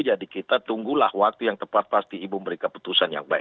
jadi kita tunggulah waktu yang tepat pasti ibu beri keputusan yang baik